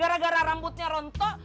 gara gara rambutnya rontok